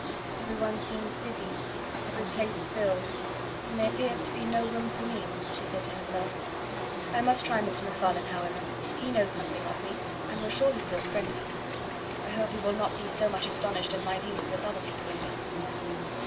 "Every one seems busy, every place filled, and there appears to be no room for me," she said to herself. "I must try Mr. MacFarlane, however; he knows something of me, and will surely feel friendly. I hope he will not be so much astonished at my views as other people have been."